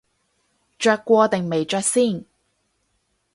着過定未着先